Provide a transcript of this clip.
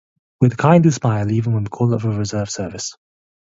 We're the kind who smile when we're called up for reserve service.